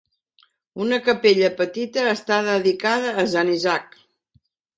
Una capella petita està dedicada a Sant Isaac.